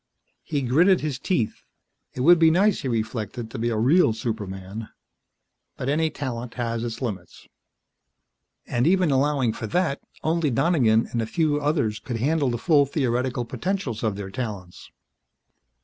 He gritted his teeth. It would be nice, he reflected, to be a real superman. But any talent has its limits. And, even allowing for that, only Donegan and a very few others could handle the full theoretical potentials of their talents.